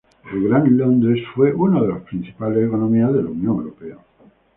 El Gran Londres es una de los principales economías de la Unión Europea.